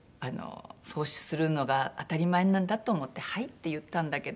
「そうするのが当たり前なんだと思って“はい”って言ったんだけど」